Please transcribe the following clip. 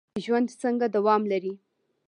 ژوند څنګه دوام لري؟